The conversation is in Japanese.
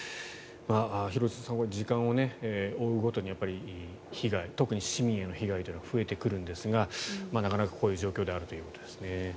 廣津留さん時間を追うごとに被害、特に市民への被害というのが増えていくんですがなかなかこういう状況であるということです。